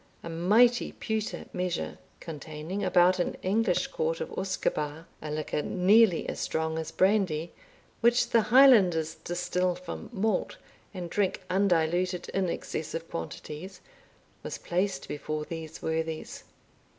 A mighty pewter measure, containing about an English quart of usquebaugh, a liquor nearly as strong as brandy, which the Highlanders distil from malt, and drink undiluted in excessive quantities, was placed before these worthies.